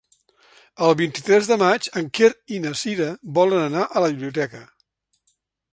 El vint-i-tres de maig en Quer i na Cira volen anar a la biblioteca.